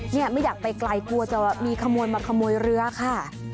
เนี่ยไม่อยากไปไกลกลัวจะมีขโมยมาขโมยเรือค่ะ